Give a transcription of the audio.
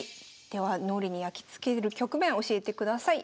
では脳裏にやきつける局面教えてください。